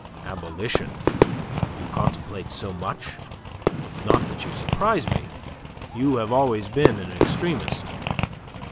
"Abolition! You contemplate so much? Not that you surprise me. You have always been an extremist."